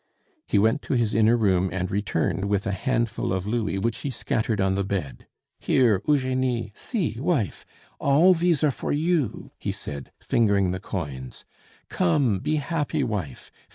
He went to his inner room and returned with a handful of louis, which he scattered on the bed. "Here, Eugenie! see, wife! all these are for you," he said, fingering the coins. "Come, be happy, wife!